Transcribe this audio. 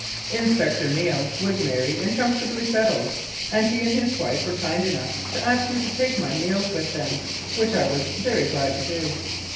Inspector Neale was married and comfortably settled, and he and his wife were kind enough to ask me to take my meals with them, which I was very glad to do.